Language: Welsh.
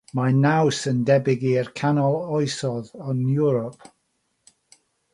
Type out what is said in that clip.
Mae'r naws yn debyg i'r canol oesoedd yn Ewrop.